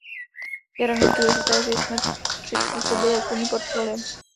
Je rovněž důležité, že jsme přizpůsobili obchodní portfolio.